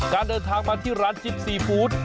เดินทางมาที่ร้านจิปซีฟู้ด